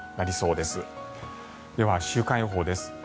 では週間予報です。